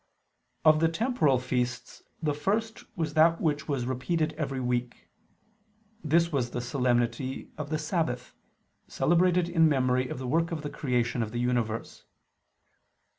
Of the temporal feasts the first was that which was repeated every week. This was the solemnity of the "Sabbath," celebrated in memory of the work of the creation of the universe.